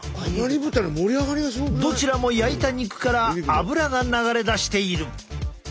どちらも焼いた肉からアブラが流れ出している。